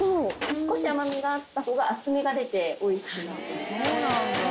少し甘みがあった方が厚みが出ておいしくなるんです。